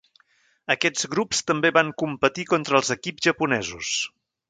Aquests grups també van competir contra els equips japonesos.